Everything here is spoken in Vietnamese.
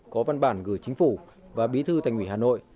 có văn bản gửi chính phủ và bí thư thành ủy hà nội